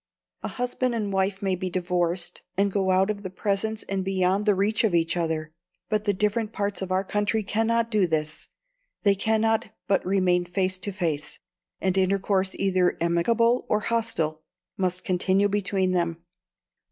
A husband and wife may be divorced, and go out of the presence and beyond the reach of each other, but the different parts of our country cannot do this. They cannot but remain face to face; and intercourse either amicable or hostile must continue between them.